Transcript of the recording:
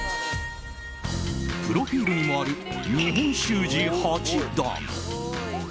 プロフィールにもある日本習字八段。